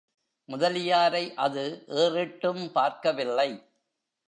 முதலியாரை அது ஏறிட்டும் பார்க்கவில்லை.